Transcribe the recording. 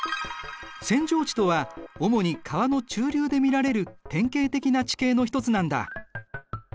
扇状地とは主に川の中流で見られる典型的な地形の一つなんだ。